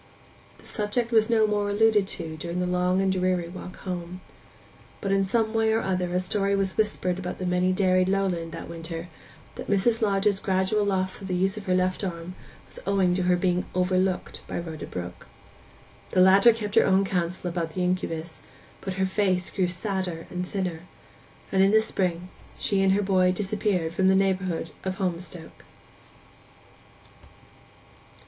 The subject was no more alluded to during the long and dreary walk home. But in some way or other a story was whispered about the many dairied lowland that winter that Mrs. Lodge's gradual loss of the use of her left arm was owing to her being 'overlooked' by Rhoda Brook. The latter kept her own counsel about the incubus, but her face grew sadder and thinner; and in the spring she and her boy disappeared from the neighbourhood of Holmstoke.